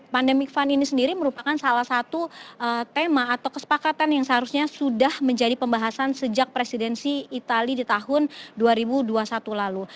pandemic fund ini sendiri merupakan salah satu tema atau kesepakatan yang seharusnya sudah menjadi pembahasan sejak presidensi itali di tahun dua ribu dua puluh satu lalu